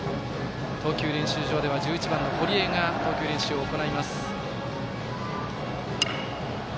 投球練習場では１１番の堀江が投球練習を行います。